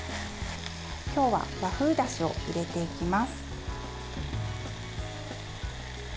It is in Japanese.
今日は和風だしを入れていきます。